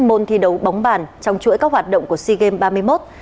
môn thi đấu bóng bàn trong chuỗi các hoạt động của sea games ba mươi một